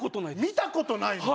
見たことないの？